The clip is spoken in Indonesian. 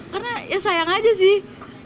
karena ya sayang aja sih